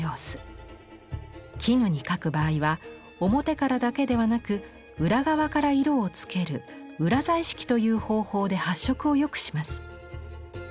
絹に描く場合は表からだけではなく裏側から色を付ける「裏彩色」という方法で発色を良くします。